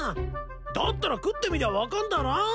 だったら食ってみりゃ分かんだろ！？